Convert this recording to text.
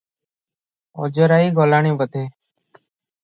ଅଜରାଇ ଗଲାଣି ବୋଧେ ।